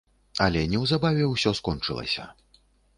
Але неўзабаве ўсё скончылася.